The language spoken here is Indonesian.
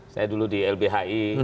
saya dulu di lbhi